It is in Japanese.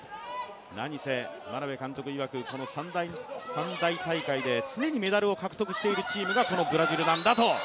なにせ、眞鍋監督いわく、三大大会で常にメダルを獲得しているチームがこのブラジルなんだと。